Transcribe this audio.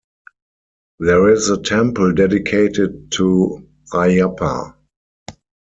There is a temple dedicated to Ayappa.